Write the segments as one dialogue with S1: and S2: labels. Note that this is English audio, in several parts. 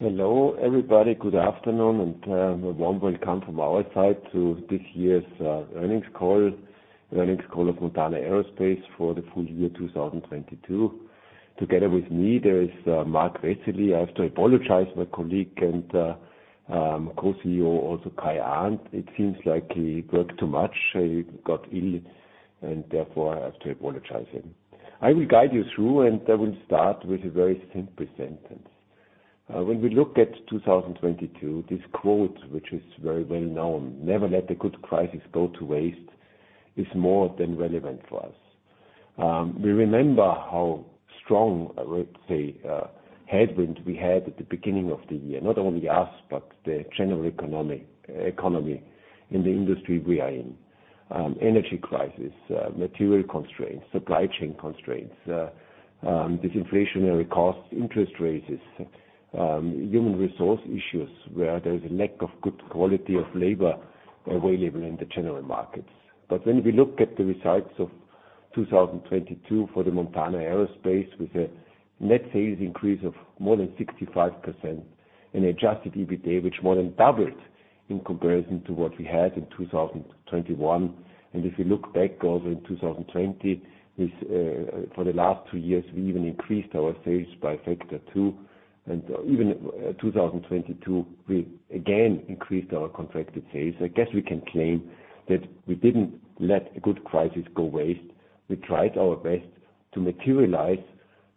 S1: Hello, everybody. Good afternoon and a warm welcome from our side to this year's earnings call. Earnings call of Montana Aerospace for the full year 2022. Together with me there is Marc Vesely. I have to apologize, my colleague and co-CEO, also Kai Arndt. It seems like he worked too much, he got ill, and therefore, I have to apologize him. I will guide you through. I will start with a very simple sentence. When we look at 2022, this quote, which is very well-known, "Never let a good crisis go to waste," is more than relevant for us. We remember how strong, I would say, headwind we had at the beginning of the year. Not only us, but the general economy in the industry we are in. Energy crisis, material constraints, supply chain constraints, inflationary costs, interest raises, human resource issues, where there is a lack of good quality of labor available in the general markets. When we look at the results of 2022 for Montana Aerospace with a net sales increase of more than 65%, an adjusted EBITDA which more than doubled in comparison to what we had in 2021. If you look back also in 2020, for the last two years, we even increased our sales by factor two. Even, 2022, we again increased our contracted sales. I guess we can claim that we didn't let a good crisis go to waste. We tried our best to materialize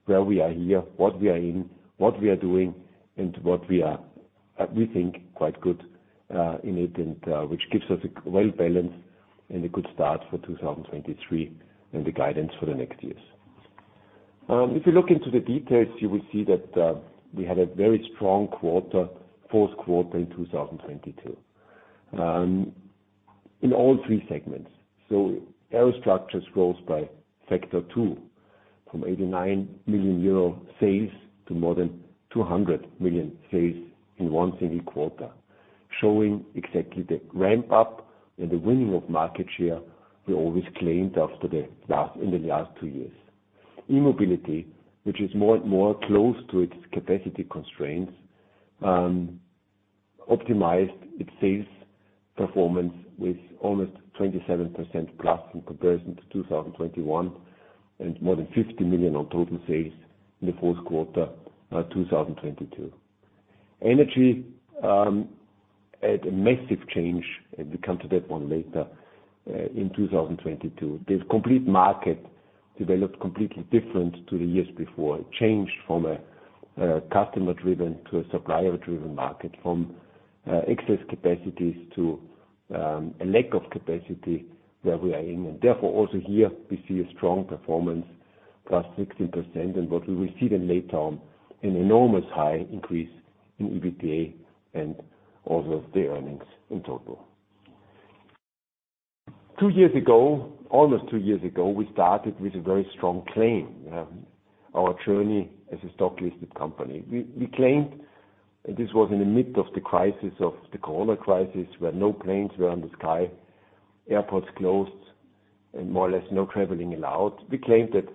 S1: where we are here, what we are in, what we are doing, and what we are, we think quite good in it and which gives us a well balance and a good start for 2023, and the guidance for the next years. If you look into the details, you will see that we had a very strong quarter, fourth quarter in 2022, in all three segments. Aerostructures grows by factor two, from 89 million euro sales to more than 200 million sales in one single quarter, showing exactly the ramp up and the winning of market share we always claimed after in the last two years. E-mobility, which is more and more close to its capacity constraints, optimized its sales performance with almost 27% plus in comparison to 2021, and more than 50 million on total sales in the fourth quarter 2022. Energy had a massive change, and we come to that one later, in 2022. The complete market developed completely different to the years before. It changed from a customer-driven to a supplier-driven market, from excess capacities to a lack of capacity where we are in. Therefore, also here we see a strong performance, plus 16%. What we will see then later on, an enormous high increase in EBITDA and also the earnings in total. Two years ago, almost two years ago, we started with a very strong claim. We have our journey as a stock-listed company. We claimed, and this was in the midst of the crisis, of the COVID crisis, where no planes were on the sky, airports closed, and more or less no traveling allowed. We claimed that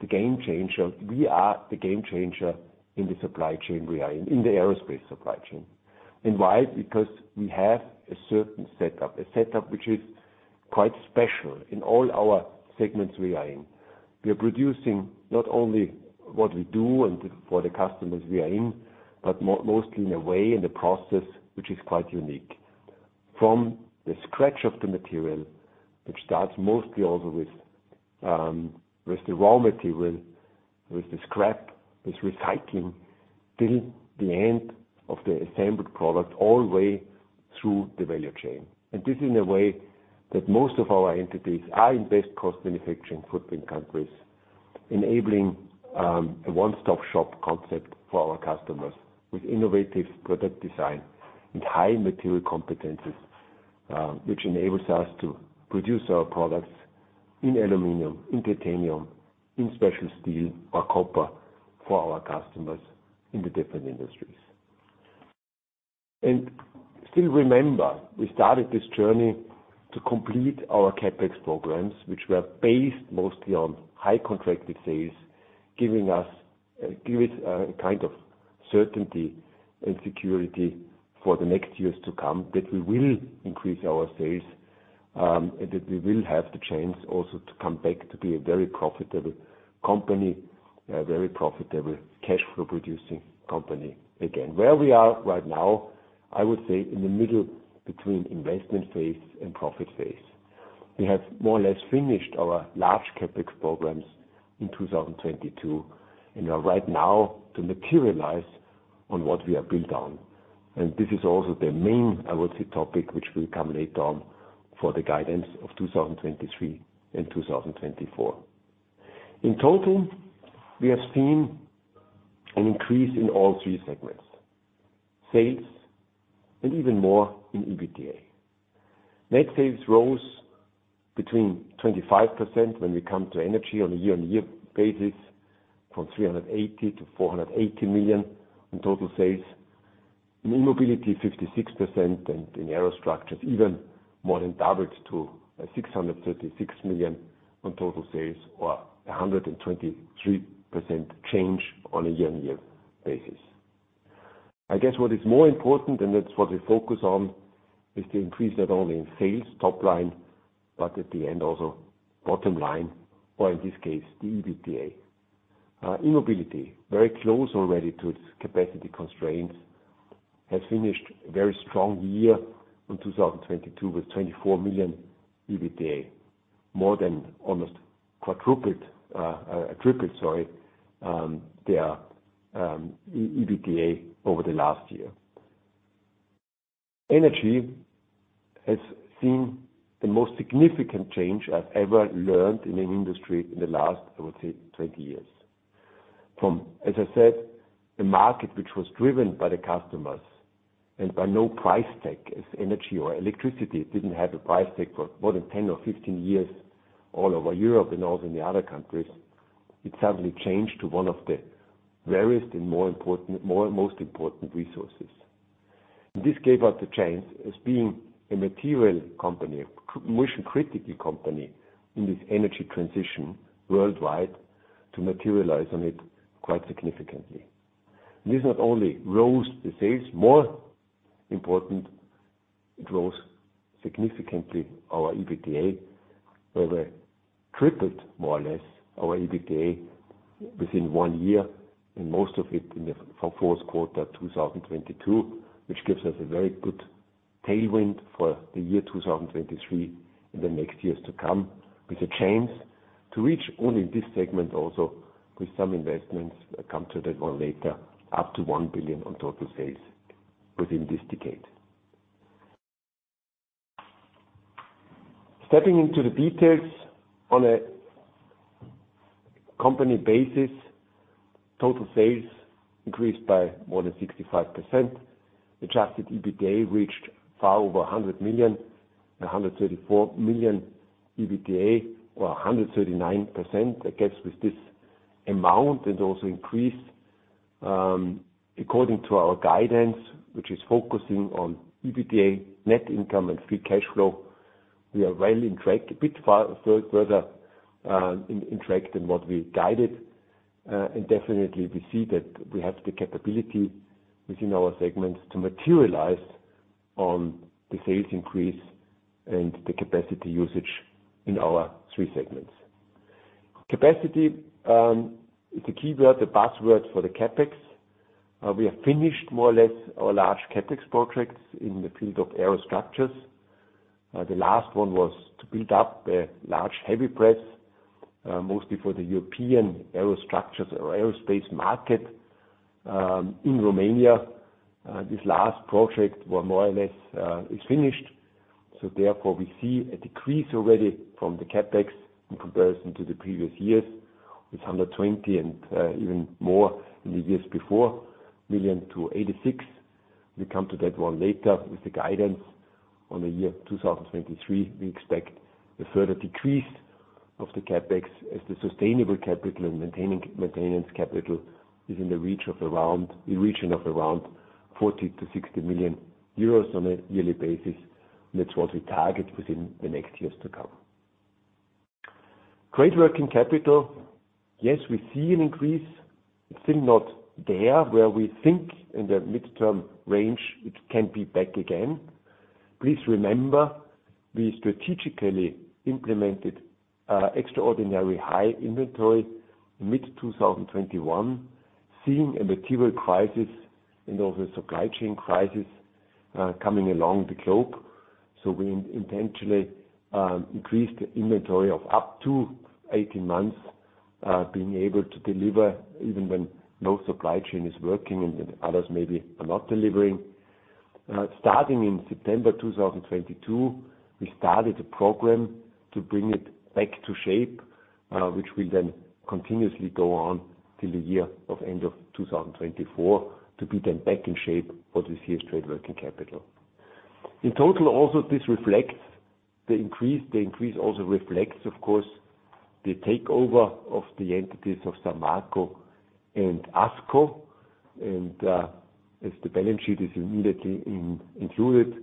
S1: the game changer, we are the game changer in the supply chain we are in the aerospace supply chain. Why? Because we have a certain setup. A setup which is quite special in all our segments we are in. We are producing not only what we do and for the customers we are in, but mostly in a way and the process, which is quite unique. From the scratch of the material, which starts mostly also with the raw material, with the scrap, with recycling, till the end of the assembled product, all the way through the value chain. This in a way that most of our entities are in best cost manufacturing footprint countries, enabling a one-stop shop concept for our customers with innovative product design and high material competencies, which enables us to produce our products in aluminum, in titanium, in special steel or copper for our customers in the different industries. Still remember, we started this journey to complete our CapEx programs, which were based mostly on high contracted sales, giving us a kind of certainty and security for the next years to come, that we will increase our sales, and that we will have the chance also to come back to be a very profitable company, a very profitable cash flow producing company again. Where we are right now, I would say in the middle between investment phase and profit phase. We have more or less finished our large CapEx programs in 2022, are right now to materialize on what we have built on. This is also the main, I would say, topic which will come later on for the guidance of 2023 and 2024. In total, we have seen an increase in all three segments: sales and even more in EBITDA. Net sales rose between 25% when we come to energy on a year-over-year basis from 380 million to 480 million in total sales. In E-mobility, 56% and in Aerostructures, even more than doubled to 636 million on total sales or a 123% change on a year-over-year basis. I guess what is more important, and that's what we focus on, is to increase not only in sales top line, but at the end, also bottom line, or in this case, the EBITDA. E-mobility, very close already to its capacity constraints, has finished a very strong year in 2022 with 24 million EBITDA, more than almost quadrupled, tripled, sorry, their E-EBITDA over the last year. Energy has seen the most significant change I've ever learned in an industry in the last, I would say, 20 years. As I said, the market, which was driven by the customers and by no price tag, as energy or electricity, it didn't have a price tag for more than ten or 15 years all over Europe and also in the other countries. It suddenly changed to one of the rarest and most important resources. This gave us a chance as being a material company, mission-critically company in this energy transition worldwide to materialize on it quite significantly. This not only rose the sales, more important, it rose significantly our EBITDA, where we tripled more or less our EBITDA within one year, and most of it in the fourth quarter 2022, which gives us a very good tailwind for the year 2023 and the next years to come, with a chance to reach only in this segment also with some investments, I come to that one later, up to 1 billion on total sales within this decade. Stepping into the details on a company basis, total sales increased by more than 65%. Adjusted EBITDA reached far over 100 million, 134 million EBITDA or 139%. I guess, with this amount and also increase, according to our guidance, which is focusing on EBITDA, net income and free cash flow, we are well in track, a bit far, further, in track than what we guided. Definitely we see that we have the capability within our segments to materialize on the sales increase and the capacity usage in our three segments. Capacity is the keyword, the password for the CapEx. We have finished more or less our large CapEx projects in the field of Aerostructures. The last one was to build up a large heavy press, mostly for the European Aerostructures or aerospace market, in Romania. This last project were more or less is finished. Therefore, we see a decrease already from the CapEx in comparison to the previous years, with 120 million and even more in the years before, to 86 million. We come to that one later with the guidance. On the year 2023, we expect a further decrease of the CapEx as the sustainable capital and maintenance capital is in a region of around 40 million-60 million euros on a yearly basis. That's what we target within the next years to come. Trade working capital. Yes, we see an increase. It's still not there where we think in the midterm range, it can be back again. Please remember, we strategically implemented extraordinary high inventory mid-2021, seeing a material crisis and also a supply chain crisis coming along the globe. We intentionally increased the inventory of up to 18 months, being able to deliver even when no supply chain is working and others maybe are not delivering. Starting in September 2022, we started a program to bring it back to shape, which will then continuously go on till the year of end of 2024, to be then back in shape for this year's trade working capital. In total, also, this reflects the increase. The increase also reflects, of course, the takeover of the entities of São Marco and Asco. As the balance sheet is immediately included,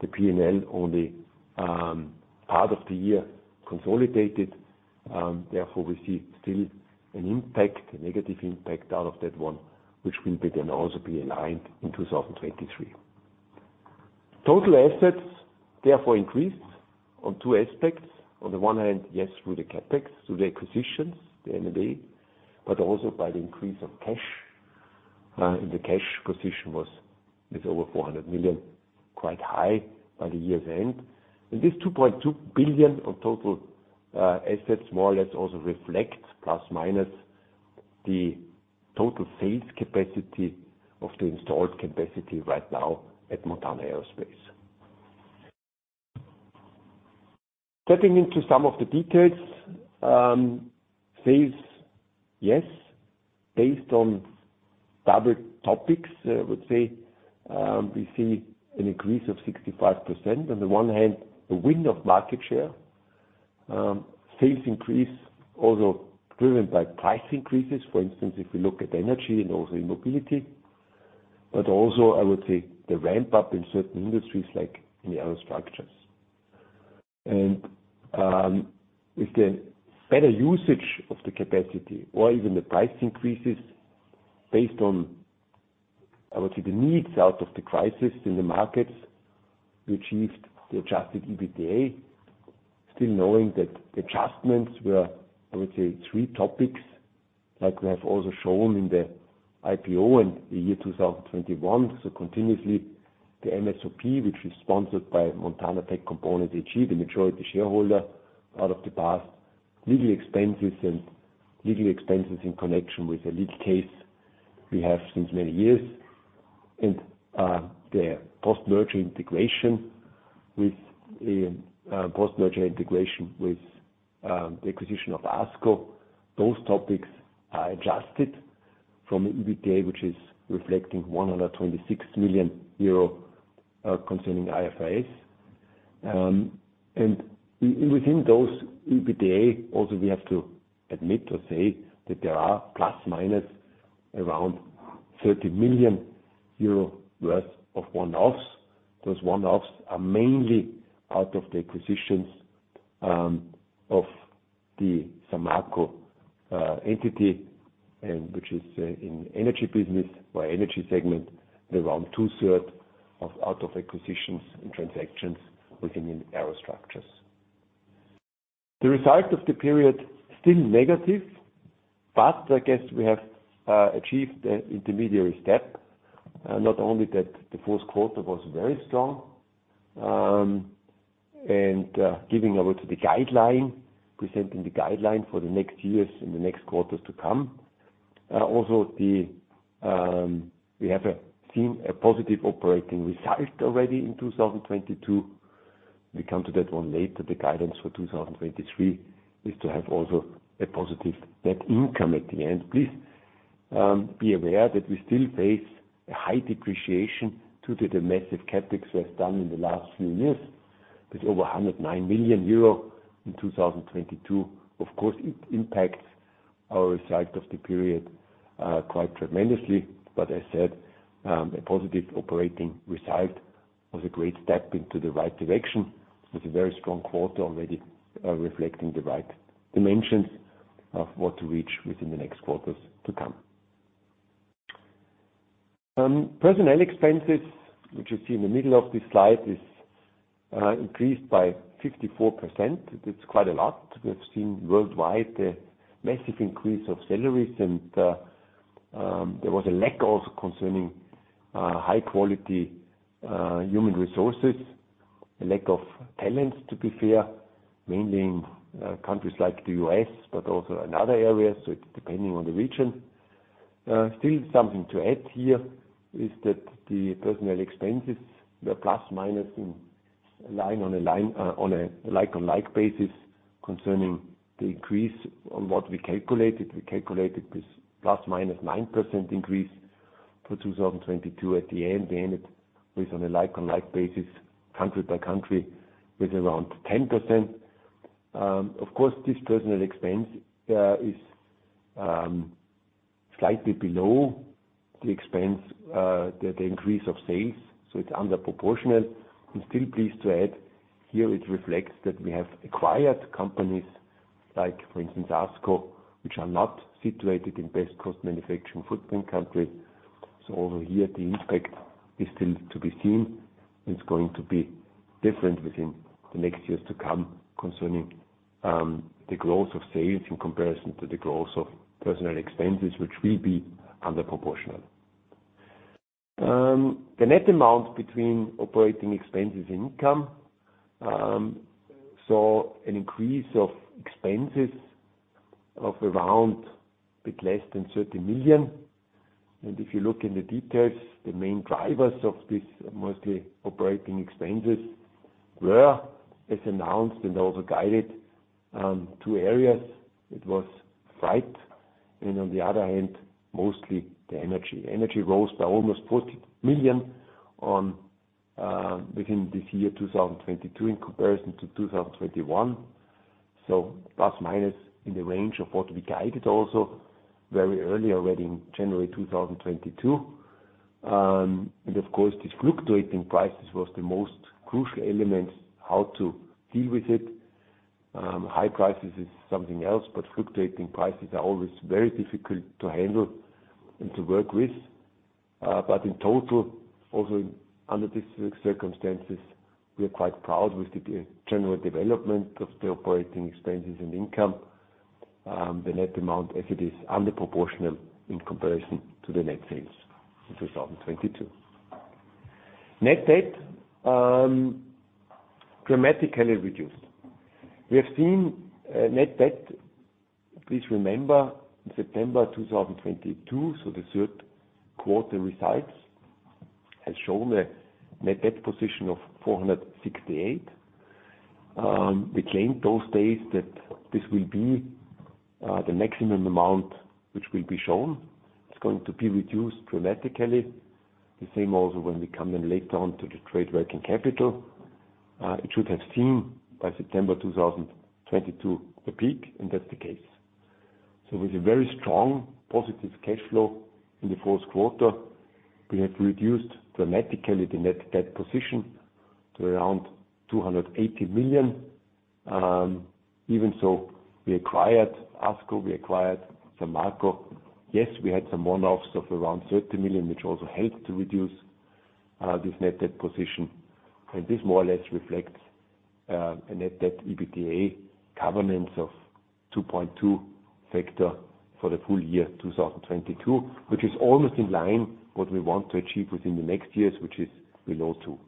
S1: the P&L only part of the year consolidated. Therefore, we see still an impact, a negative impact out of that one, which will be then also be aligned in 2023. Total assets therefore increased on 2 aspects. On the one hand, yes, through the CapEx, through the acquisitions, the M&A, but also by the increase of cash. The cash position was, is over 400 million, quite high by the year's end. This 2.2 billion on total assets more or less also reflects, plus, minus, the total sales capacity of the installed capacity right now at Montana Aerospace. Stepping into some of the details, sales, yes, based on public topics, I would say, we see an increase of 65%. On the one hand, a win of market share. Sales increase also driven by price increases. For instance, if we look at energy and also in mobility, but also I would say the ramp up in certain industries like in the Aerostructures. With the better usage of the capacity or even the price increases based on, I would say, the needs out of the crisis in the markets, we achieved the adjusted EBITDA, still knowing that the adjustments were, I would say, three topics like we have also shown in the IPO in the year 2021. Continuously, the MSOP, which is sponsored by Montana Tech Components AG, the majority shareholder out of the past. Legal expenses in connection with a legal case we have since many years. The post-merger integration with the acquisition of Asco. Those topics are adjusted from the EBITDA, which is reflecting 126 million euro concerning IFRSs. Within those EBITDA, also, we have to admit or say that there are plus/minus around 30 million euro worth of one-offs. Those one-offs are mainly out of the acquisitions, of the São Marco entity and which is in energy business or Energy Segment, around two-third of out of acquisitions and transactions within in Aerostructures. The result of the period, still negative. I guess we have achieved the intermediary step. Not only that the first quarter was very strong, giving over to the guideline, presenting the guideline for the next years and the next quarters to come. Also the we have seen a positive operating result already in 2022. We come to that one later. The guidance for 2023 is to have also a positive net income at the end. Please, be aware that we still face a high depreciation due to the massive CapEx we have done in the last few years, with over 109 million euro in 2022. Of course, it impacts our result of the period, quite tremendously. I said, a positive operating result was a great step into the right direction. It was a very strong quarter already, reflecting the right dimensions of what to reach within the next quarters to come. Personnel expenses, which you see in the middle of this slide, is increased by 54%. That's quite a lot. We have seen worldwide a massive increase of salaries and there was a lack also concerning high quality human resources, a lack of talents, to be fair, mainly in countries like the U.S., but also in other areas. It's depending on the region. Still something to add here is that the personnel expenses were +/- in line on a like-on-like basis concerning the increase on what we calculated. We calculated this +/- 9% increase for 2022 at the end. We ended with on a like-on-like basis, country by country, with around 10%. Of course, this personnel expense is slightly below the expense, the increase of sales. It's under proportional. I'm still pleased to add here it reflects that we have acquired companies like, for instance, Asco, which are not situated in best cost manufacturing footprint country. Over here, the impact is still to be seen. It's going to be different within the next years to come concerning the growth of sales in comparison to the growth of personnel expenses, which will be under proportional. The net amount between operating expenses income saw an increase of expenses of around a bit less than 30 million. If you look in the details, the main drivers of this mostly operating expenses were, as announced and also guided, two areas. It was freight and on the other hand, mostly the energy. Energy rose by almost 40 million on within this year, 2022, in comparison to 2021. Plus/minus in the range of what we guided also very early already in January 2022. Of course, these fluctuating prices was the most crucial elements, how to deal with it. High prices is something else, but fluctuating prices are always very difficult to handle and to work with. In total, also under these circumstances, we are quite proud with the general development of the OpEx and income. The net amount as it is under proportional in comparison to the Net sales in 2022. Net debt, dramatically reduced. We have seen, Net debt, please remember, in September 2022, so the third quarter results, has shown a Net debt position of 468. We claimed those days that this will be the maximum amount which will be shown, it's going to be reduced dramatically. The same also when we come in later on to the trade working capital. It should have seen by September 2022 the peak, and that's the case. With a very strong positive cash flow in the fourth quarter, we have reduced dramatically the net debt position to around 280 million. Even so, we acquired Asco, we acquired São Marco. We had some one-offs of around 30 million, which also helped to reduce this net debt position. This more or less reflects a net debt EBITDA governance of 2.2 factor for the full year 2022, which is almost in line what we want to achieve within the next years, which is below two.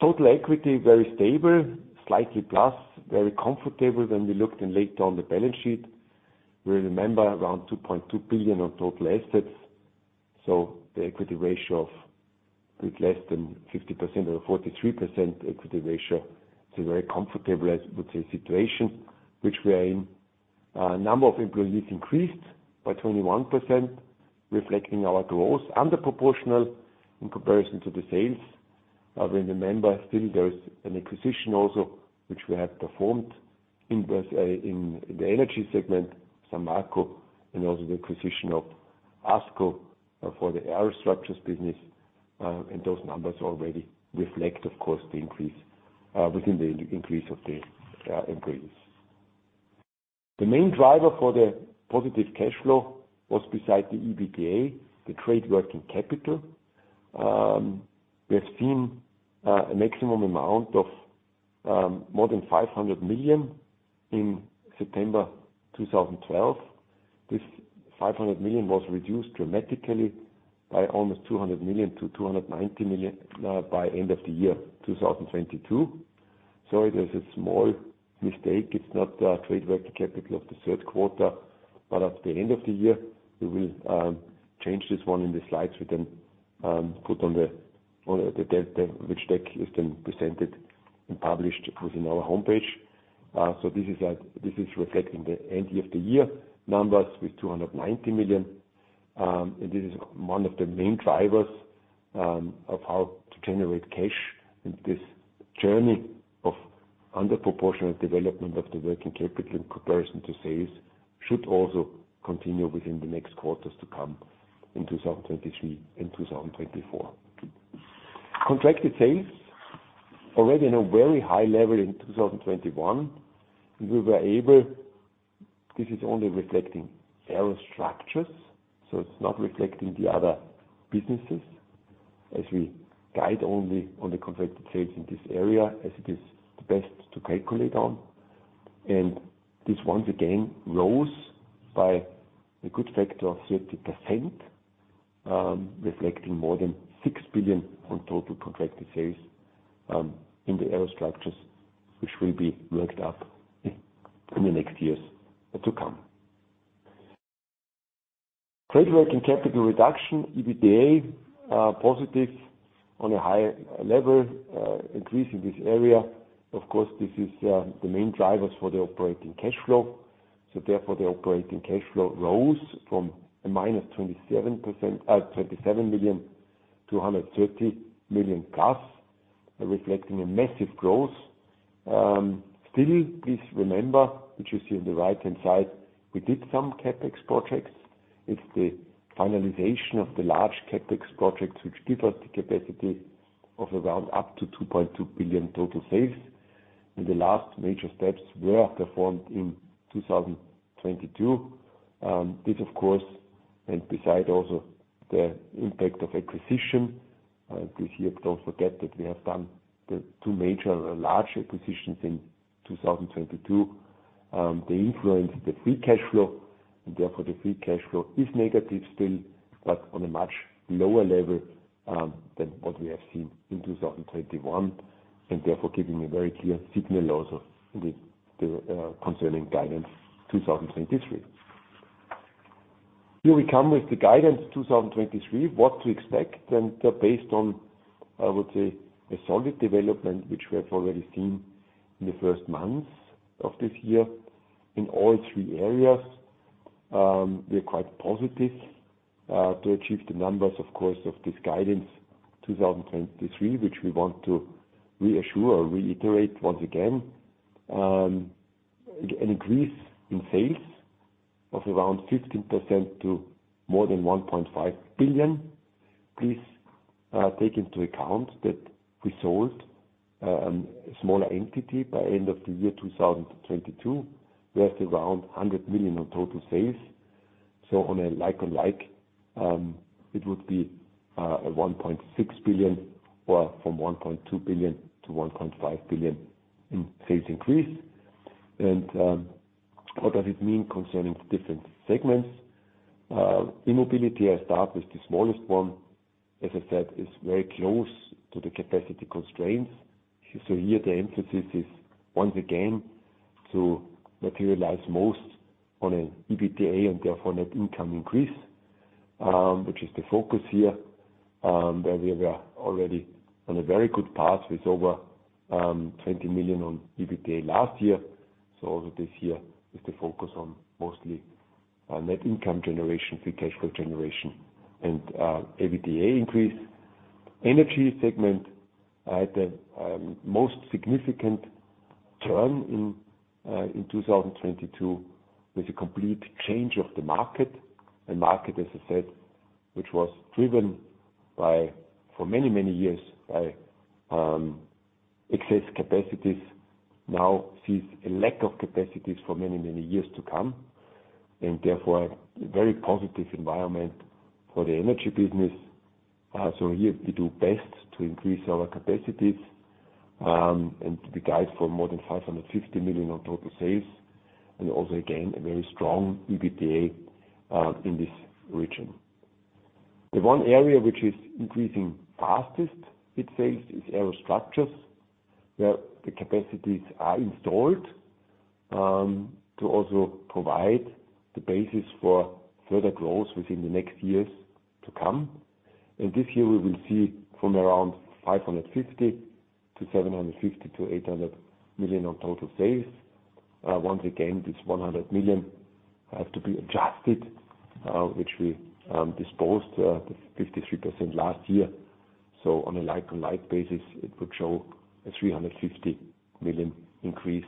S1: Total equity, very stable, slightly plus, very comfortable when we looked in late on the balance sheet. We remember around 2.2 billion on total assets. The equity ratio of with less than 50% or 43% equity ratio. It's a very comfortable, I would say, situation which we are in. Number of employees increased by 21%, reflecting our growth under proportional in comparison to the sales. We remember still there is an acquisition also which we have performed in this, in the energy segment, São Marco, and also the acquisition of Asco for the Aerostructures business. And those numbers already reflect, of course, the increase within the increase of the employees. The main driver for the positive cash flow was beside the EBITDA, the trade working capital. We have seen a maximum amount of more than 500 million in September 2012. This 500 million was reduced dramatically by almost 200 million to 290 million by end of the year 2022. It is a small mistake. It's not the trade working capital of the third quarter. At the end of the year, we will change this one in the slides. We can put on the deck, which deck is then presented and published within our homepage. This is reflecting the end of the year numbers with 290 million. And this is one of the main drivers of how to generate cash in this journey of under proportional development of the working capital in comparison to sales should also continue within the next quarters to come in 2023 and 2024. Contracted sales already in a very high level in 2021. This is only reflecting Aerostructures, so it's not reflecting the other businesses as we guide only on the contracted sales in this area as it is the best to calculate on. This once again rose by a good factor of 30%, reflecting more than 6 billion on total contracted sales in the Aerostructures, which will be worked up in the next years to come. Trade working capital reduction, EBITDA, positive on a high level, increase in this area. This is the main drivers for the operating cash flow. The operating cash flow rose from a minus 27 million to 130 million plus, reflecting a massive growth. Still, please remember, which you see on the right-hand side, we did some CapEx projects. It's the finalization of the large CapEx projects which give us the capacity of around up to 2.2 billion total sales. The last major steps were performed in 2022. This of course, and beside also the impact of acquisition this year, don't forget that we have done the two major large acquisitions in 2022. They influence the free cash flow, and therefore the free cash flow is negative still, but on a much lower level than what we have seen in 2021, therefore giving a very clear signal also in the concerning guidance 2023. Here we come with the guidance 2023, what to expect. Based on, I would say, a solid development, which we have already seen in the first months of this year in all three areas, we are quite positive to achieve the numbers, of course, of this guidance 2023, which we want to reassure or reiterate once again. An increase in sales of around 15% to more than 1.5 billion. Please take into account that we sold a smaller entity by end of the year 2022. We have around 100 million on total sales. On a like-on-like, it would be a 1.6 billion or from 1.2 billion to 1.5 billion in sales increase. What does it mean concerning different segments? E-Mobility, I start with the smallest one, as I said, is very close to the capacity constraints. Here the emphasis is once again to materialize most on an EBITDA and therefore net income increase. Which is the focus here, where we are already on a very good path with over 20 million on EBITDA last year. Also this year is the focus on mostly net income generation, free cash flow generation and EBITDA increase. Energy segment had the most significant turn in 2022, with a complete change of the market. A market, as I said, which was driven by, for many, many years, by, excess capacities. Now sees a lack of capacities for many, many years to come. Therefore, a very positive environment for the energy business. Here we do best to increase our capacities, and to guide for more than 550 million on total sales, and also, again, a very strong EBITDA, in this region. The one area which is increasing fastest with sales is Aerostructures. Where the capacities are installed, to also provide the basis for further growth within the next years to come. This year we will see from around 550 million to 750 million to 800 million on total sales. Once again, this 100 million has to be adjusted, which we, disposed, the 53% last year. On a like-on-like basis, it would show a 350 million increase,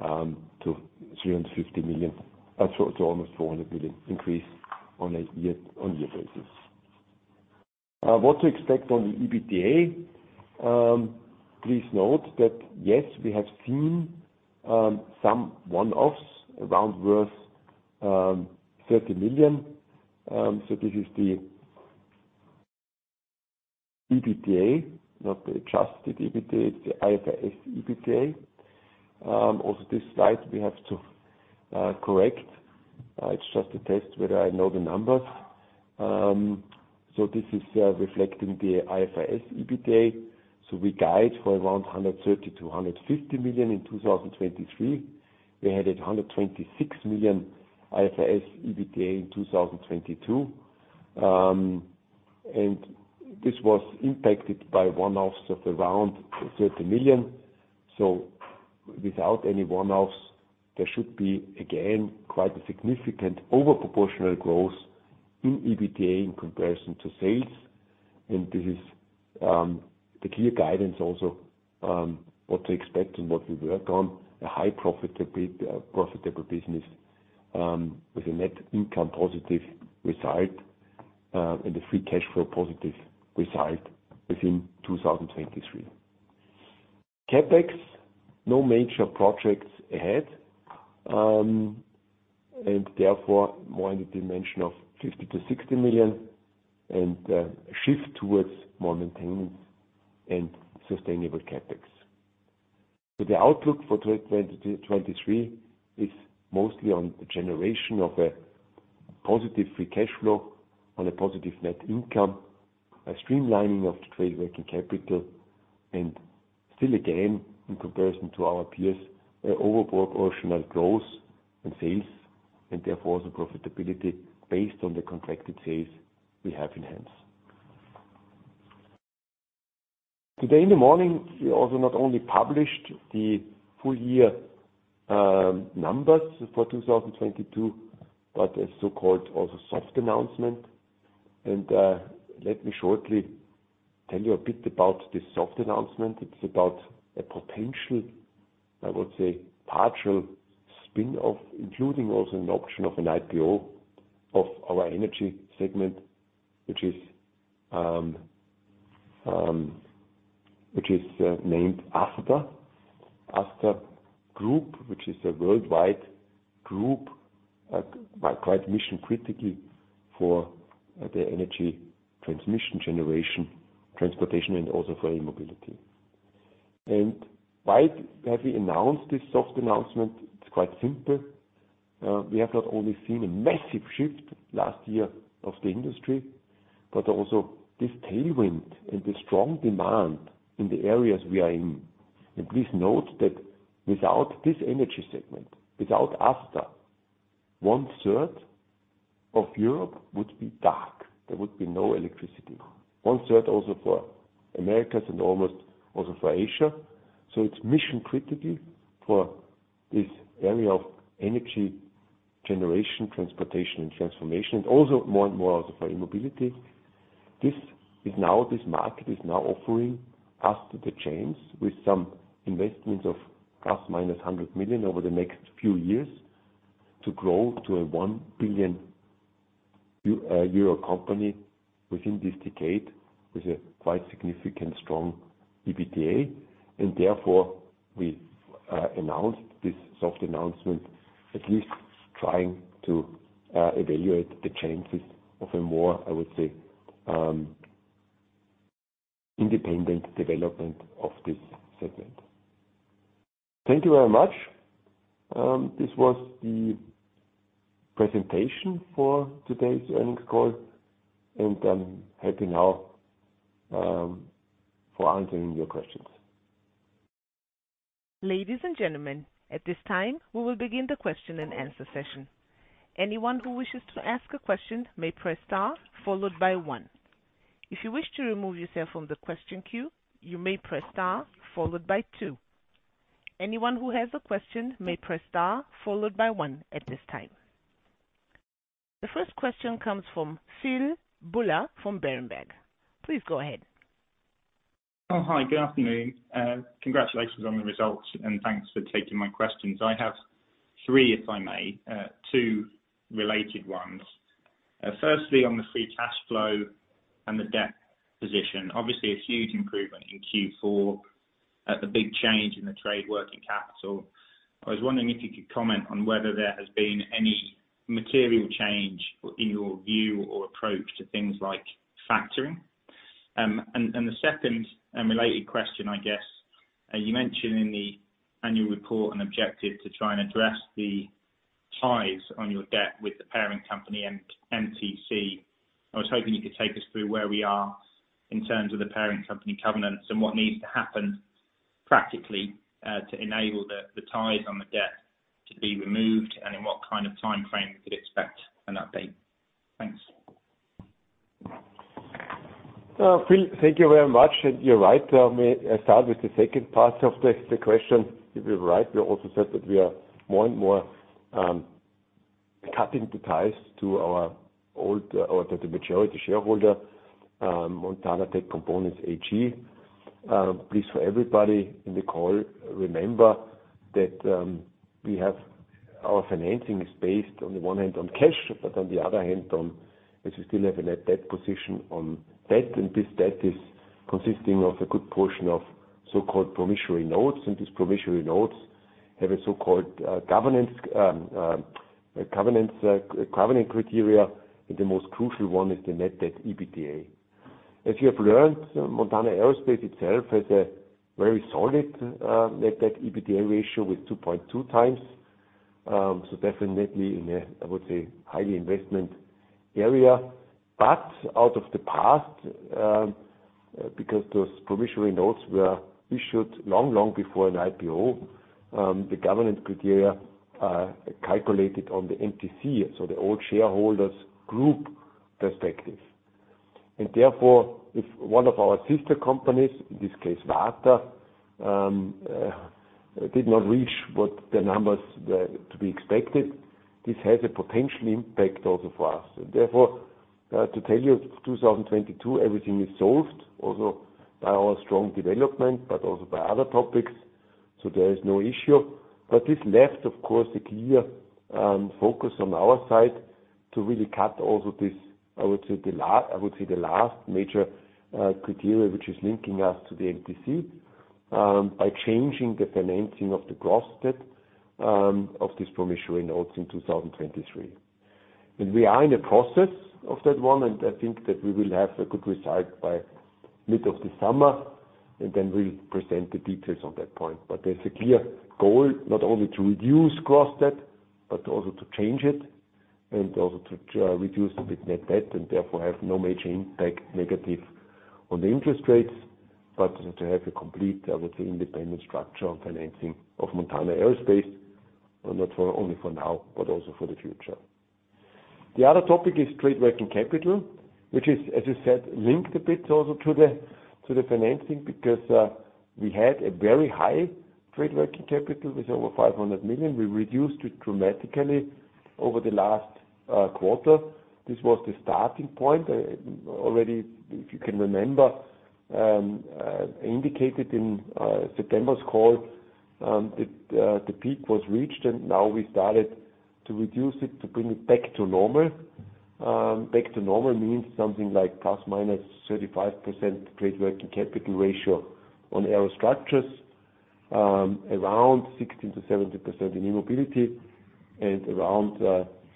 S1: to 350 million, to almost 400 million increase on a year-on-year basis. What to expect on the EBITDA. Please note that, yes, we have seen some one-offs around worth 30 million. This is the EBITDA, not the adjusted EBITDA. It's the IFRS EBITDA. Also this slide, we have to correct. It's just a test whether I know the numbers. This is reflecting the IFRS EBITDA. We guide for around 130-150 million in 2023. We had a 126 million IFRS EBITDA in 2022. This was impacted by one-offs of around 30 million. Without any one-offs, there should be, again, quite a significant over proportional growth in EBITDA in comparison to sales. This is the clear guidance also what to expect and what we work on. A high profitability, profitable business, with a net income positive result, and a free cash flow positive result within 2023. CapEx, no major projects ahead. Therefore, more in the dimension of 50 million to 60 million, and a shift towards more maintenance and sustainable CapEx. The outlook for 2023 is mostly on the generation of a positive free cash flow, on a positive net income, a streamlining of the trade working capital. Still again, in comparison to our peers, a over proportional growth in sales, and therefore the profitability based on the contracted sales we have in hand. Today in the morning, we also not only published the full year numbers for 2022, but a so-called also soft announcement. Let me shortly tell you a bit about this soft announcement. It's about a potential, I would say, partial spin-off, including also an option of an IPO of our energy segment, which is named ASTA. ASTA Group, which is a worldwide group, by quite mission critically for the energy transmission generation, transportation and also for E-Mobility. Why have we announced this soft announcement? It's quite simple. We have not only seen a massive shift last year of the industry, but also this tailwind and the strong demand in the areas we are in. Please note that without this energy segment, without ASTA, one-third of Europe would be dark. There would be no electricity. One-third also for Americas and almost also for Asia. It's mission critically for this area of energy generation, transportation and transformation. Also more and more also for E-Mobility. This is now, this market is now offering us the chance with some investments of ± 100 million EUR over the next few years to grow to a 1 billion euro company within this decade, with a quite significant strong EBITDA. Therefore, we announced this soft announcement, at least trying to evaluate the chances of a more, I would say, independent development of this segment. Thank you very much. This was the presentation for today's earnings call. I'm happy now for answering your questions.
S2: Ladies and gentlemen, at this time, we will begin the question and answer session. Anyone who wishes to ask a question may press star followed by one. If you wish to remove yourself from the question queue, you may press star followed by two. Anyone who has a question may press star followed by one at this time. The first question comes from Phil Buller from Berenberg. Please go ahead.
S3: Oh, hi, good afternoon. Congratulations on the results, and thanks for taking my questions. I have three, if I may, two related ones. Firstly, on the free cash flow and the debt position, obviously a huge improvement in Q4 at the big change in the trade working capital. I was wondering if you could comment on whether there has been any material change in your view or approach to things like factoring. The second and related question, I guess, you mentioned in the annual report an objective to try and address the ties on your debt with the parent company, MTC. I was hoping you could take us through where we are in terms of the parent company covenants and what needs to happen practically, to enable the ties on the debt to be removed and in what kind of time frame we could expect an update. Thanks.
S1: Phil, thank you very much. You're right. May I start with the second part of the question. You were right. We also said that we are more and more cutting the ties to our or to the majority shareholder, Montana Tech Components AG. Please, for everybody in the call, remember that we have our financing is based on the one hand on cash, but on the other hand, on, as you still have a net debt position on debt, and this debt is consisting of a good portion of so-called promissory notes, and these promissory notes have a so-called governance covenants covenant criteria, and the most crucial one is the net debt EBITDA. As you have learned, Montana Aerospace itself has a very solid net debt EBITDA ratio with 2.2x. Definitely in a, I would say, highly investment area. Out of the past, because those promissory notes were issued long, long before an IPO, the governance criteria calculated on the MTC, so the old shareholders group perspective. Therefore, if one of our sister companies, in this case, VARTA, did not reach what the numbers there to be expected, this has a potential impact also for us. Therefore, to tell you 2022, everything is solved also by our strong development, but also by other topics. There is no issue. This left, of course, a clear focus on our side to really cut also this, I would say the last major criteria, which is linking us to the MTC by changing the financing of the cross-debt of these promissory notes in 2023. We are in a process of that one, and I think that we will have a good result by mid of the summer, and then we'll present the details on that point. There's a clear goal, not only to reduce cross-debt, but also to change it, and also to reduce a bit net debt, and therefore have no major impact negative on the interest rates, but to have a complete, I would say, independent structure on financing of Montana Aerospace not for only for now, but also for the future. The other topic is trade working capital, which is, as you said, linked a bit also to the financing because we had a very high trade working capital with over 500 million. We reduced it dramatically over the last quarter. This was the starting point. Already, if you can remember, indicated in September's call, that the peak was reached, and now we started to reduce it to bring it back to normal. Back to normal means something like plus minus 35% trade working capital ratio on Aerostructures, around 16%-70% in E-Mobility, and around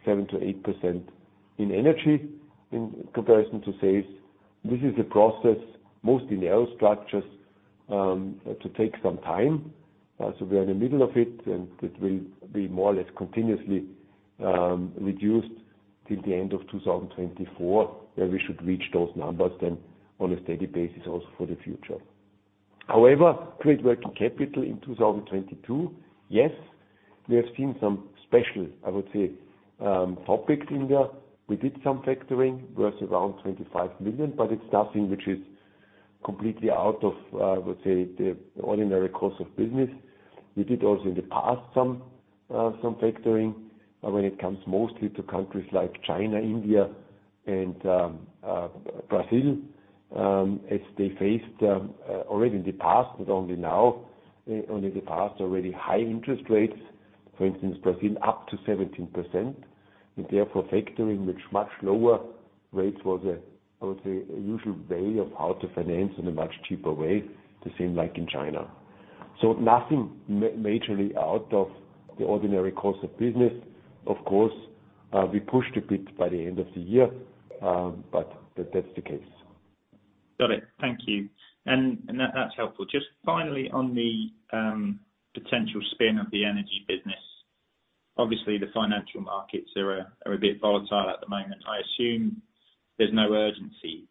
S1: 7%-8% in energy in comparison to sales. This is a process, mostly in Aerostructures, to take some time. We are in the middle of it, and it will be more or less continuously reduced till the end of 2024, where we should reach those numbers then on a steady basis also for the future. However, trade working capital in 2022, yes, we have seen some special, I would say, topics in there. We did some factoring, worth around 25 million, but it's nothing which is completely out of, I would say, the ordinary course of business. We did also in the past some factoring when it comes mostly to countries like China, India and Brazil, as they faced already in the past, not only now, only the past already high interest rates, for instance, Brazil up to 17%. Therefore, factoring with much lower rates was, I would say, a usual way of how to finance in a much cheaper way, the same like in China. Nothing majorly out of the ordinary course of business. Of course, we pushed a bit by the end of the year, but that's the case.
S3: Got it. Thank you. That's helpful. Just finally on the potential spin of the energy business. The financial markets are a bit volatile at the moment. I assume there's no urgency.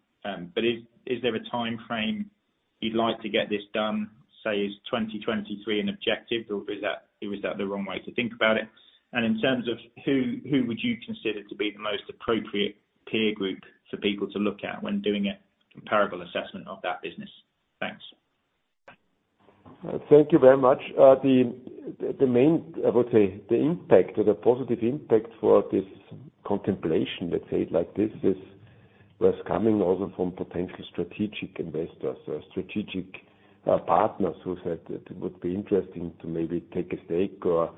S3: Is there a timeframe you'd like to get this done, say, is 2023 an objective or is that the wrong way to think about it? In terms of who would you consider to be the most appropriate peer group for people to look at when doing a comparable assessment of that business? Thanks.
S1: Thank you very much. The main, I would say, the impact or the positive impact for this contemplation, let's say it like this, is, was coming also from potential strategic investors or strategic partners who said that it would be interesting to maybe take a stake or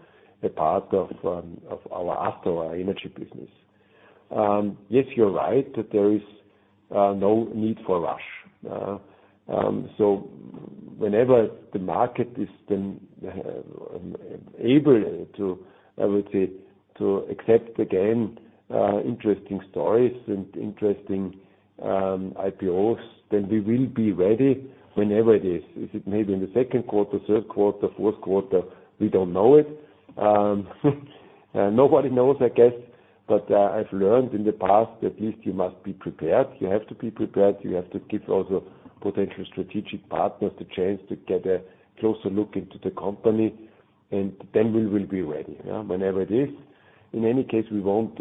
S1: a part of our ASTA energy business. Yes, you're right, that there is no need for rush. Whenever the market is then able to, I would say, to accept again interesting stories and interesting IPOs, then we will be ready whenever it is. Is it maybe in the second quarter, third quarter, fourth quarter? We don't know it. Nobody knows, I guess. I've learned in the past at least you must be prepared. You have to be prepared. You have to give other potential strategic partners the chance to get a closer look into the company. We will be ready whenever it is. In any case, we won't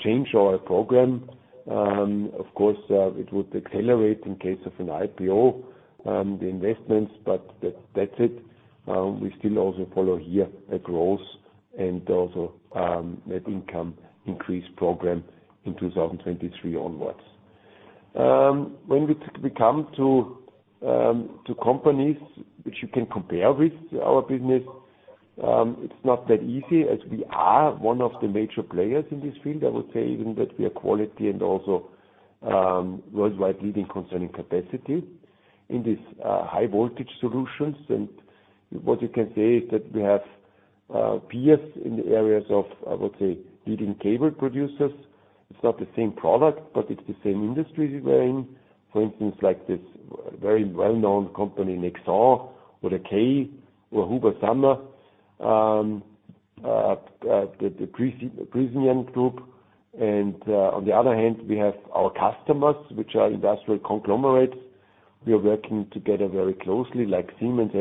S1: change our program. Of course, it would accelerate in case of an IPO, the investments, that's it. We still also follow here a growth and also net income increase program in 2023 onwards. When we come to companies which you can compare with our business, it's not that easy as we are one of the major players in this field. I would say even that we are quality and also worldwide leading concerning capacity in this high voltage solutions. What you can say is that we have peers in the areas of, I would say, leading cable producers. It's not the same product, but it's the same industry we're in. For instance, like this very well-known company, Nexans or the K or HUBER+SUHNER, the Prysmian Group. On the other hand, we have our customers, which are industrial conglomerates. We are working together very closely like Siemens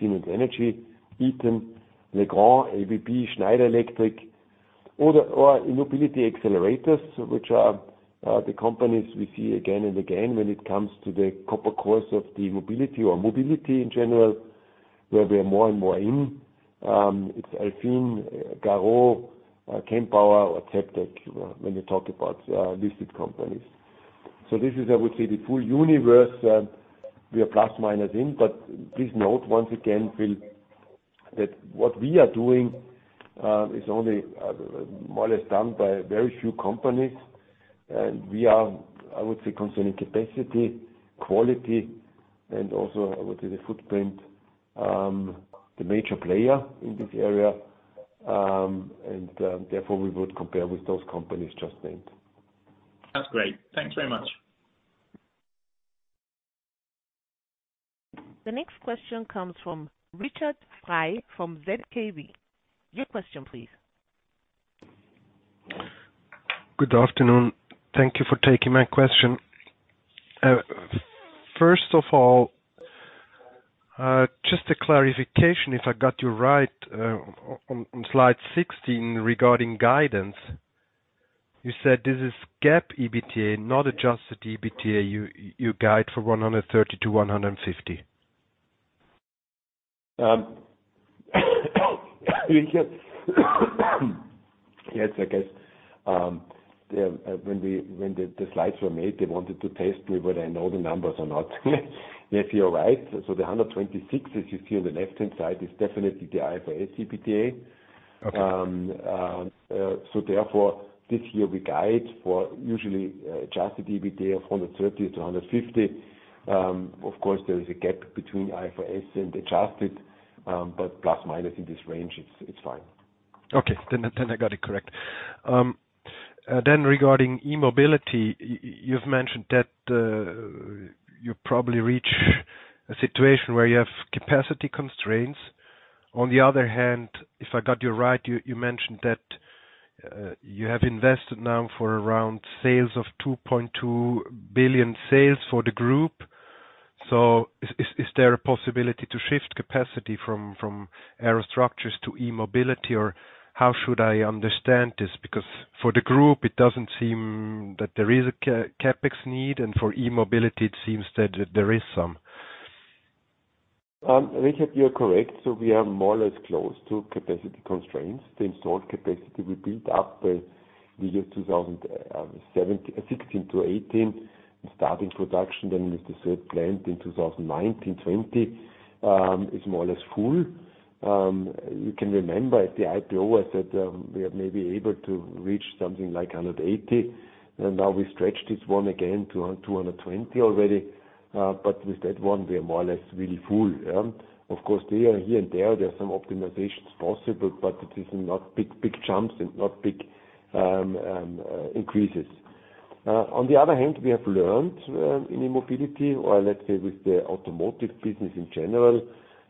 S1: Energy, Eaton, Legrand, ABB, Schneider Electric, or E-Mobility accelerators, which are the companies we see again and again when it comes to the copper cores of the mobility or mobility in general, where we are more and more in. It's Alfen, Gareau, Kempower or Zaptec, when you talk about listed companies. This is, I would say, the full universe we are plus minus in. Please note once again, Phil, that what we are doing is only more or less done by very few companies, and we are, I would say, concerning capacity, quality, and also I would say the footprint, the major player in this area. Therefore, we would compare with those companies just named.
S3: That's great. Thanks very much.
S2: The next question comes from Richard Frei from ZKB. Your question, please.
S4: Good afternoon. Thank you for taking my question. First of all, just a clarification if I got you right, on slide 16 regarding guidance, you said this is GAAP EBITDA, not adjusted EBITDA you guide for EUR 130 million-EUR 150 million?
S1: Richard. Yes, I guess, when the slides were made, they wanted to test me whether I know the numbers or not. Yes, you're right. The 126, as you see on the left-hand side, is definitely the IFRS EBITDA.
S4: Okay.
S1: This year we guide for usually, adjusted EBITDA of 130-150. Of course, there is a gap between IFRS and adjusted, plus minus in this range, it's fine.
S4: Okay. I got it correct. Regarding E-Mobility, you've mentioned that you probably reach a situation where you have capacity constraints. On the other hand, if I got you right, you mentioned that you have invested now for around sales of 2.2 billion sales for the group. Is there a possibility to shift capacity from Aerostructures to E-Mobility, or how should I understand this? For the group, it doesn't seem that there is a CapEx need, and for E-Mobility it seems that there is some.
S1: Richard, you are correct. We are more or less close to capacity constraints. The installed capacity we built up, the year 2016-2018, starting production then with the third plant in 2019, 2020, is more or less full. You can remember at the IPO I said, we are maybe able to reach something like 180, and now we stretched this one again to 220 already. With that one, we are more or less really full, yeah. Of course, there, here and there are some optimizations possible, but it is not big jumps and not big increases. On the other hand, we have learned in mobility or let's say with the automotive business in general,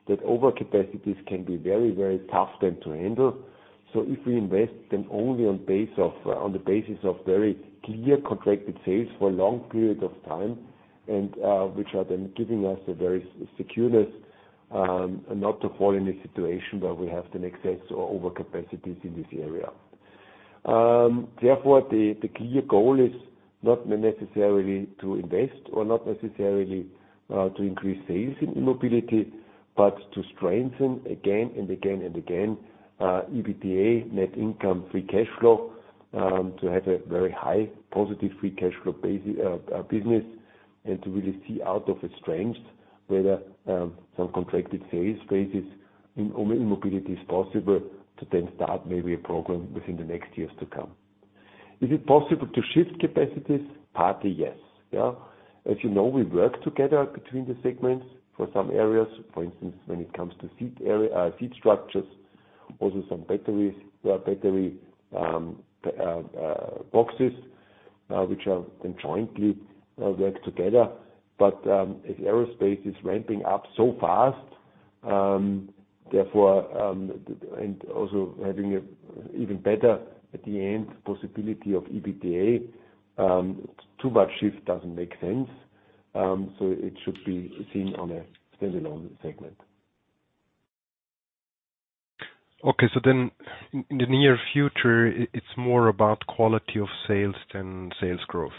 S1: that overcapacities can be very, very tough then to handle. If we invest, then only on the basis of very clear contracted sales for long periods of time and which are then giving us a very secureness, not to fall in a situation where we have an excess or overcapacities in this area. Therefore, the clear goal is not necessarily to invest or not necessarily to increase sales in E-Mobility, but to strengthen again and again and again, EBITDA, net income, free cash flow, to have a very high positive free cash flow business and to really see out of its strengths whether some contracted sales bases in mobility is possible to then start maybe a program within the next years to come. Is it possible to shift capacities? Partly, yes. Yeah. As you know, we work together between the segments for some areas. For instance, when it comes to seat area, seat structures, also some batteries, battery boxes, which are then jointly work together. If aerospace is ramping up so fast, therefore, and also having an even better at the end possibility of EBITDA, too much shift doesn't make sense. It should be seen on a standalone segment.
S4: Okay. In the near future, it's more about quality of sales than sales growth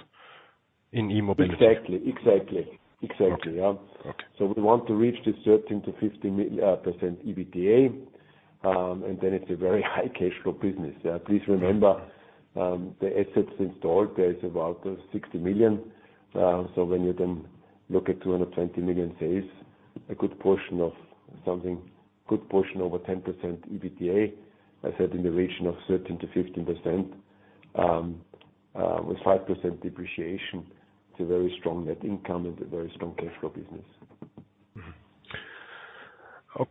S4: in E-Mobility.
S1: Exactly. Exactly. Exactly, yeah.
S4: Okay.
S1: We want to reach this 13%-15% EBITDA. It's a very high cash flow business. Please remember, the assets installed, there is about 60 million. When you look at 220 million sales, a good portion of something, good portion over 10% EBITDA, I said in the region of 13%-15%, with 5% depreciation, it's a very strong net income and a very strong cash flow business.
S4: Mm-hmm.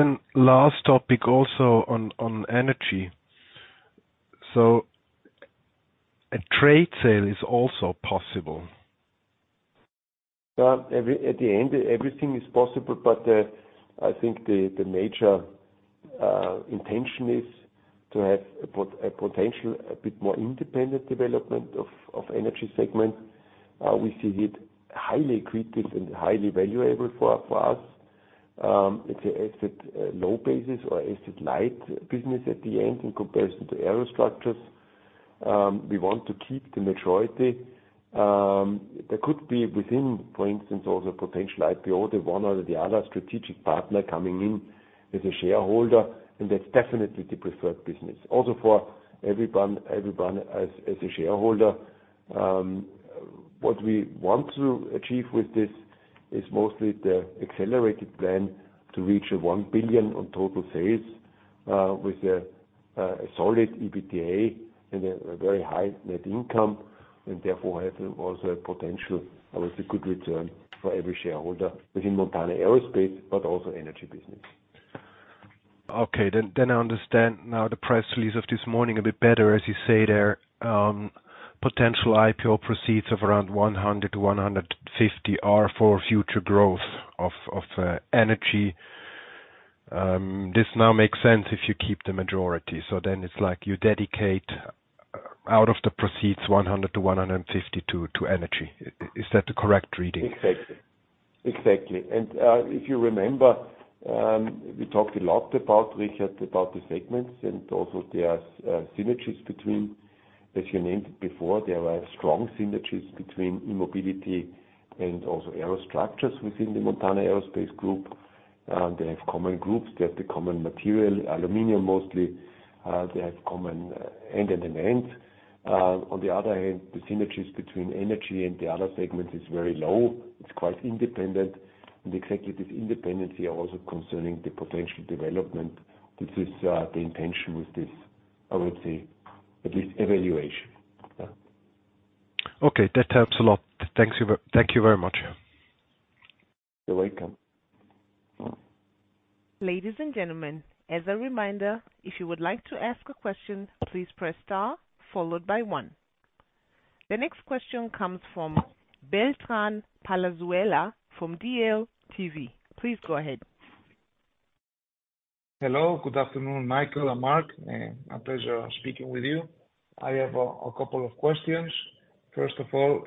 S4: Okay. Last topic also on energy. A trade sale is also possible?
S1: At the end, everything is possible. I think the major intention is to have a potential, a bit more independent development of energy segment. We see it highly critical and highly valuable for us. It's an asset low basis or asset light business at the end in comparison to Aerostructures. We want to keep the majority. There could be within, for instance, also potential IPO, the one or the other strategic partner coming in as a shareholder. That's definitely the preferred business. Also for everyone as a shareholder, what we want to achieve with this is mostly the accelerated plan to reach a 1 billion on total sales, with a solid EBITDA and a very high net income. Therefore, have also a potential, obviously good return for every shareholder within Montana Aerospace, but also energy business.
S4: Okay. I understand now the press release of this morning a bit better. As you say there, potential IPO proceeds of around 100 million-150 million are for future growth of energy. This now makes sense if you keep the majority. It's like you dedicate out of the proceeds 100 million-150 million to energy. Is that the correct reading?
S1: Exactly. Exactly. If you remember, we talked a lot about, Richard, about the segments and also there are synergies between, as you named it before, there are strong synergies between E-Mobility and also Aerostructures within the Montana Aerospace Group. They have common groups. They have the common material, aluminum mostly. They have common end and an end. On the other hand, the synergies between energy and the other segments is very low. It's quite independent. Exactly this independency also concerning the potential development. This is the intention with this, I would say at least evaluation. Yeah.
S4: Okay. That helps a lot. Thank you very much.
S1: You're welcome.
S2: Ladies and gentlemen, as a reminder, if you would like to ask a question, please press star followed by one. The next question comes from Beltrán Palazuela from DLTV. Please go ahead.
S5: Hello. Good afternoon, Michael and Mark. My pleasure speaking with you. I have a couple of questions. First of all,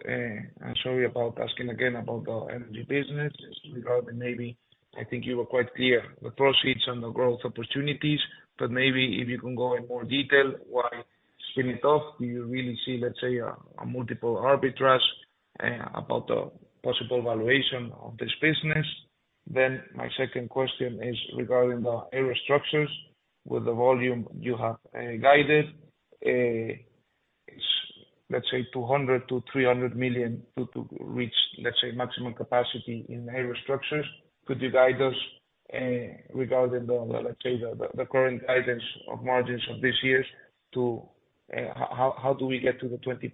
S5: I'm sorry about asking again about the energy business regarding I think you were quite clear, the proceeds and the growth opportunities, but maybe if you can go in more detail, why spin it off? Do you really see, let's say, a multiple arbitrage about the possible valuation of this business? Then my second question is regarding the Aerostructures. With the volume you have guided, let's say 200 million-300 million to reach, let's say, maximum capacity in Aerostructures. Could you guide us regarding the, let's say the current guidance of margins of this years to how, how do we get to the 20%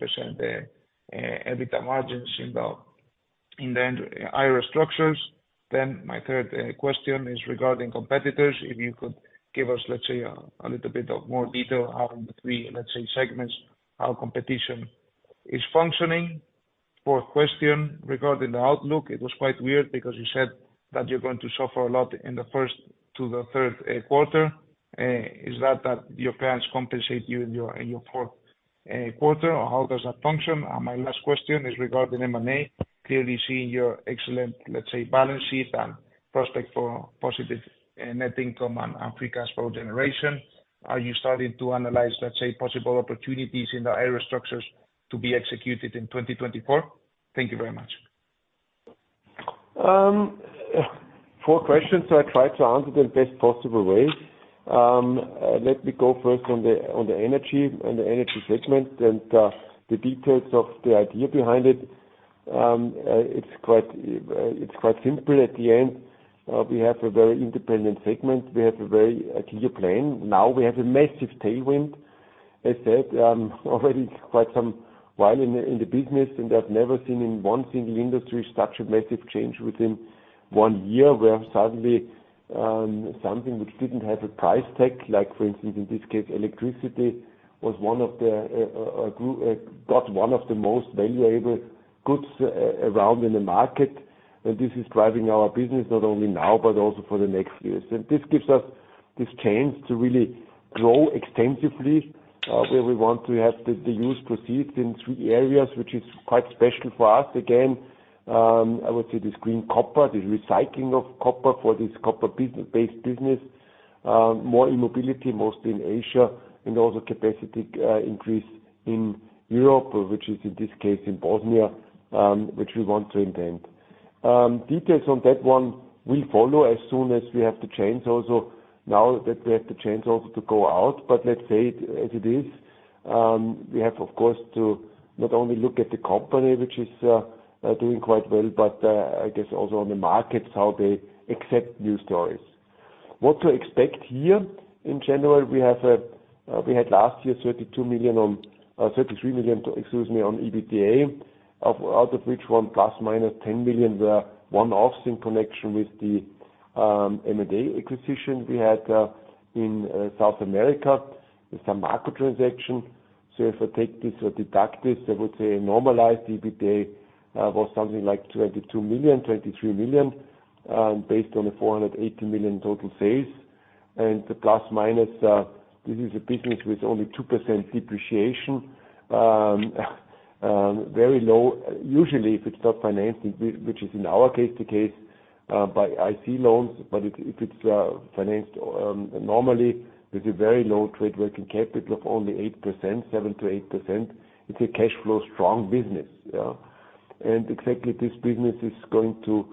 S5: EBITDA margins in the end, Aerostructures? My 3rd question is regarding competitors. If you could give us, let's say, a little bit of more detail on the three, let's say, segments, how competition is functioning. 4th question regarding the outlook. It was quite weird because you said that you're going to suffer a lot in the 1st to the 3rd quarter. Is that that your plans compensate you in your, in your 4th quarter, or how does that function? My last question is regarding M&A. Clearly seeing your excellent, let's say, balance sheet and prospect for positive net income and free cash flow generation. Are you starting to analyze, let's say, possible opportunities in the Aerostructures to be executed in 2024? Thank you very much.
S1: Four questions, so I try to answer the best possible way. Let me go first on the energy segment and the details of the idea behind it. It's quite simple at the end. We have a very independent segment. We have a very clear plan. Now we have a massive tailwind. I said already quite some while in the business, and I've never seen in one single industry such a massive change within one year, where suddenly, something which didn't have a price tag, like for instance, in this case, electricity, got one of the most valuable goods around in the market. This is driving our business not only now, but also for the next years. This gives us this chance to really grow extensively, where we want to have the used proceeds in three areas, which is quite special for us. Again, I would say this green copper, the recycling of copper for this copper business, based business, more in E-Mobility, mostly in Asia, and also capacity increase in Europe, which is in this case in Bosnia, which we want to intend. Details on that one will follow as soon as we have the chance also. Now that we have the chance also to go out. Let's say it as it is. We have of course, to not only look at the company which is doing quite well, but I guess also on the markets, how they accept new stories. What to expect here? In general, we had last year, 32 million on 33 million, excuse me, on EBITDA, out of which ±10 million were one-offs in connection with the M&A acquisition we had in South America with São Marco transaction. If I take this or deduct this, I would say normalized EBITDA was something like 22 million-23 million, based on the 480 million total sales. The plus minus, this is a business with only 2% depreciation. Very low. Usually, if it's not financed, which is in our case, the case, by IC loans, but if it's financed, normally with a very low trade working capital of only 8%, 7%-8%, it's a cash flow strong business, yeah. Exactly this business is going to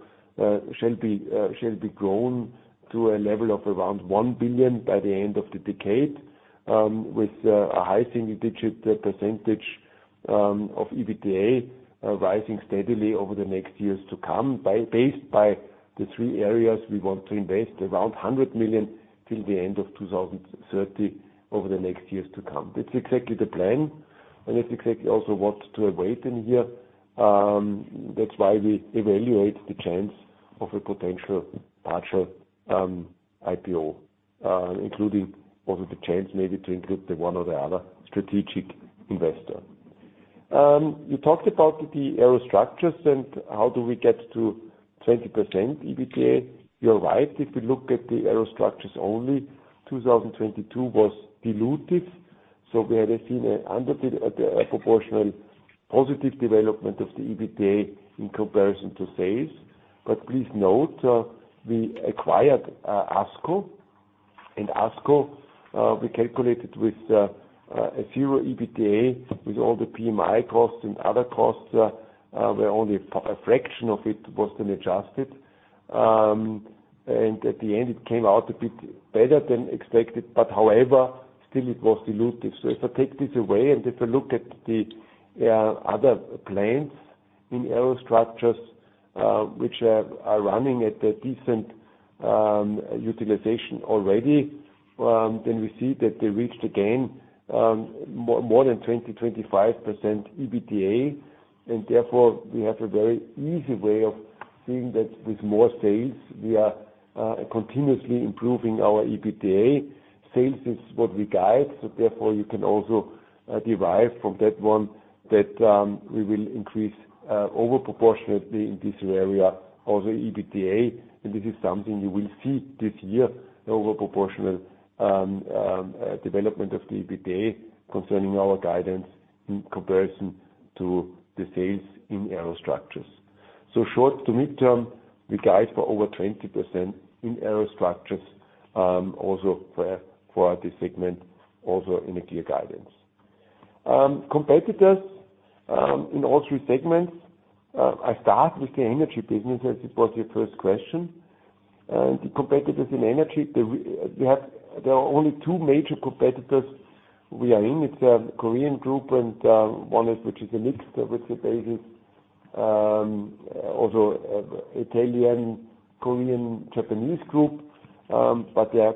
S1: shall be grown to a level of around 1 billion by the end of the decade, with a high single-digit % of EBITDA rising steadily over the next years to come. Based by the three areas we want to invest around 100 million till the end of 2030 over the next years to come. It's exactly the plan, and it's exactly also what to await in here. That's why we evaluate the chance of a potential partial IPO, including also the chance maybe to include the one or the other strategic investor. You talked about the Aerostructures and how do we get to 20% EBITDA. You're right. If you look at the Aerostructures only, 2022 was dilutive. We had seen an under proportional positive development of the EBITDA in comparison to sales. Please note, we acquired Asco. In Asco, we calculated with a zero EBITDA with all the PMI costs and other costs, where only a fraction of it was then adjusted. At the end, it came out a bit better than expected, however, still it was dilutive. If I take this away and if I look at the other planes in Aerostructures, which are running at a decent utilization already, then we see that they reached again more than 20%-25% EBITDA. Therefore, we have a very easy way of seeing that with more sales, we are continuously improving our EBITDA. Sales is what we guide. You can also derive from that one that we will increase over proportionately in this area, also EBITDA. This is something you will see this year, over proportional development of the EBITDA concerning our guidance in comparison to the sales in Aerostructures. Short to mid-term, we guide for over 20% in Aerostructures, also for this segment, also in a clear guidance. Competitors in all three segments. I start with the energy business, as it was your first question. The competitors in energy, there are only two major competitors we are in. It's a Korean group, and one is, which is a mixed reference basis, also Italian, Korean, Japanese group. They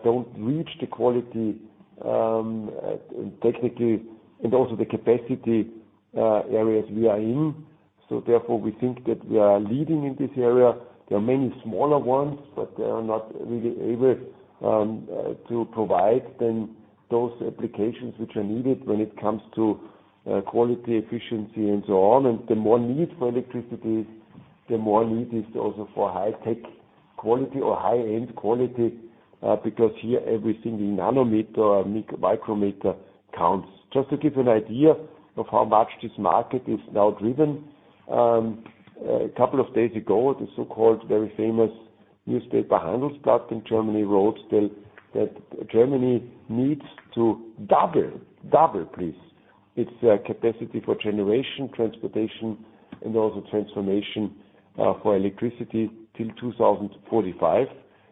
S1: don't reach the quality, technically, and also the capacity areas we are in. Therefore, we think that we are leading in this area. There are many smaller ones, but they are not really able to provide then those applications which are needed when it comes to quality, efficiency, and so on. The more need for electricity, the more need is also for high-tech quality or high-end quality, because here every single nanometer or micrometer counts. Just to give you an idea of how much this market is now driven. A couple of days ago, the so-called very famous newspaper Handelsblatt in Germany wrote that Germany needs to double please, its capacity for generation, transportation, and also transformation for electricity till 2045.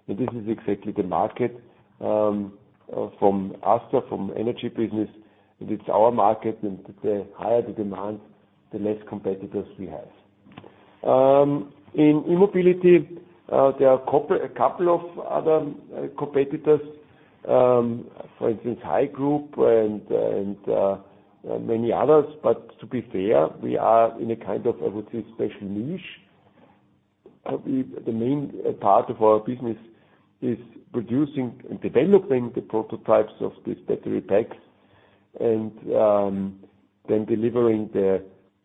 S1: This is exactly the market from us, from energy business, and it's our market. The higher the demand, the less competitors we have. In E-Mobility, there are a couple, a couple of other competitors, for instance, HI Group and many others. But to be fair, we are in a kind of, I would say, special niche. The main part of our business is producing and developing the prototypes of these battery packs and then delivering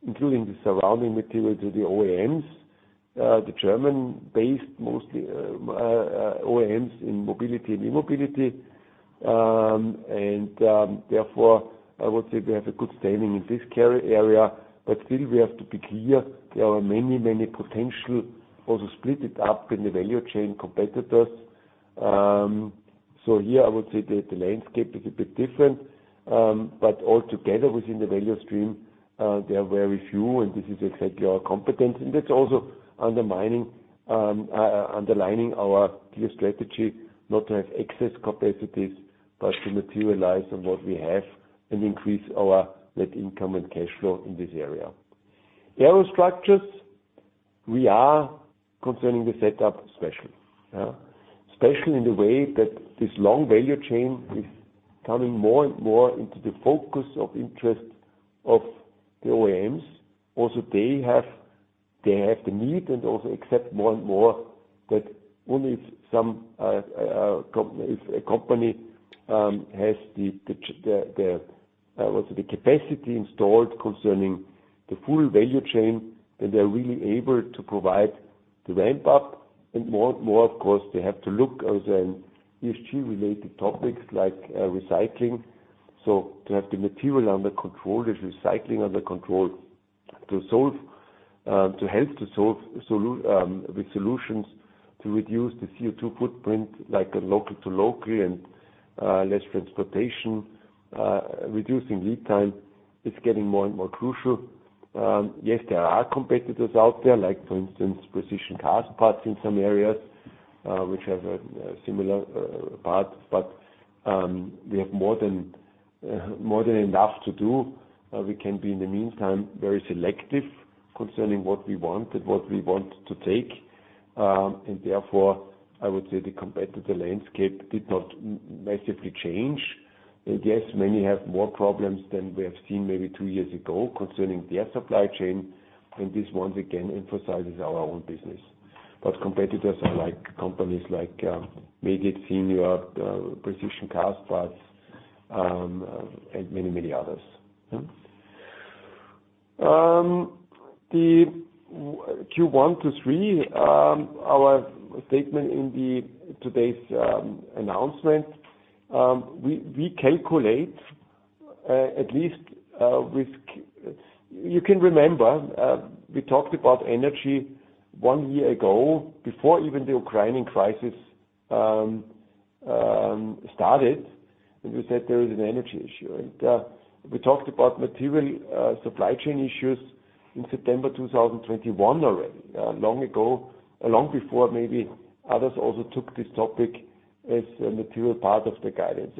S1: including the surrounding material to the OEMs. The German-based mostly OEMs in mobility and E-Mobility. Therefore, I would say we have a good standing in this carry area. Still we have to be clear, there are many, many potential, also split it up in the value chain, competitors. Here I would say the landscape is a bit different. But all together within the value stream, there are very few, and this is exactly our competence. That's also underlining our clear strategy not to have excess capacities, but to materialize on what we have and increase our net income and cash flow in this area. Aerostructures, we are concerning the setup special. Yeah. Especially in the way that this long value chain is coming more and more into the focus of interest of the OEMs. They have the need and also accept more and more that only if If a company has the capacity installed concerning the full value chain, then they're really able to provide the ramp up. More and more, of course, they have to look as an ESG-related topics like recycling. To have the material under control, there's recycling under control to solve, to help to solve with solutions to reduce the CO2 footprint, like local to locally and less transportation, reducing lead time is getting more and more crucial. Yes, there are competitors out there, like for instance, Precision Castparts in some areas, which have a similar path. We have more than enough to do. We can be in the meantime, very selective concerning what we want and what we want to take. And therefore, I would say the competitor landscape did not massively change. Yes, many have more problems than we have seen maybe two years ago concerning their supply chain, and this once again emphasizes our own business. Competitors are like companies like Meggitt in Europe, Precision Castparts, and many others. The Q1-Q3, our statement in today's announcement, we calculate at least risk. You can remember, we talked about energy one year ago before even the Ukrainian crisis started, and we said there is an energy issue. We talked about material supply chain issues in September 2021 already, long ago, long before maybe others also took this topic as a material part of the guidance.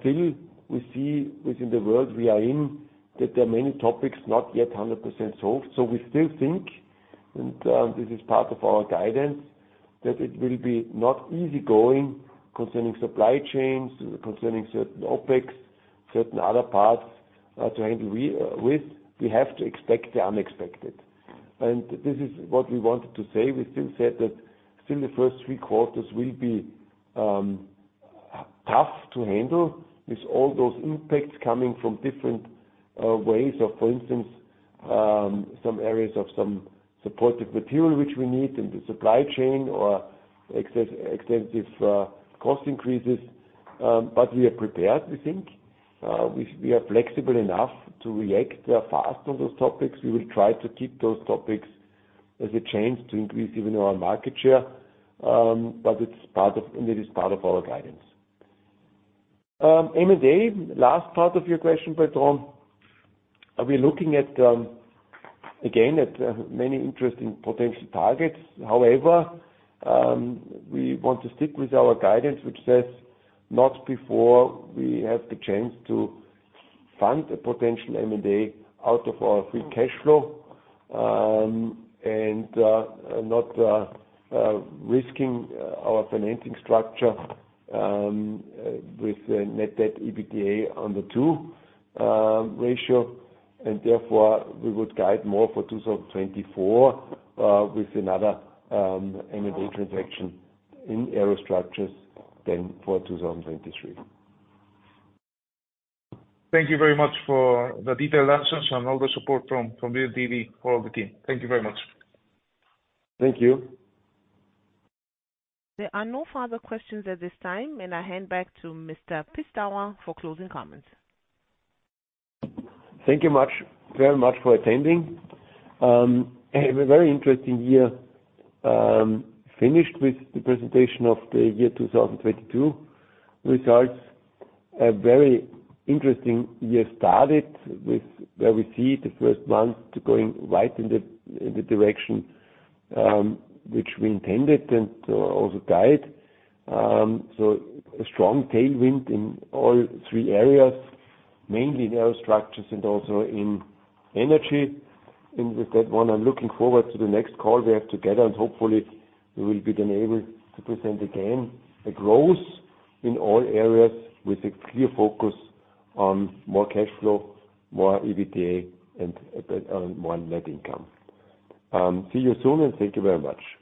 S1: Still we see within the world we are in that there are many topics not yet 100% solved. We still think, and this is part of our guidance, that it will be not easy going concerning supply chains, concerning certain OpEx, certain other parts to handle re-risk. We have to expect the unexpected. This is what we wanted to say. We still said that still the first three quarters will be tough to handle with all those impacts coming from different ways of, for instance, some areas of some supportive material which we need in the supply chain or extensive cost increases. We are prepared, we think. We are flexible enough to react fast on those topics. We will try to keep those topics as a chance to increase even our market share. It's part of, and it is part of our guidance. M&A, last part of your question, patron. We're looking at, again, at many interesting potential targets. However, we want to stick with our guidance, which says not before we have the chance to fund a potential M&A out of our free cash flow, and not risking our financing structure with a net debt/EBITDA under two ratio. Therefore, we would guide more for 2024 with another M&A transaction in Aerostructures than for 2023.
S5: Thank you very much for the detailed answers and all the support from.
S1: Thank you.
S2: There are no further questions at this time. I hand back to Mr. Pistauer for closing comments.
S1: Thank you much, very much for attending. Had a very interesting year, finished with the presentation of the 2022 results. A very interesting year started with where we see the first month going right in the direction, which we intended and also guide. A strong tailwind in all three areas, mainly in Aerostructures and also in energy. With that one, I'm looking forward to the next call we have together, and hopefully we will be then able to present again a growth in all areas with a clear focus on more cash flow, more EBITDA, and more net income. See you soon, and thank you very much.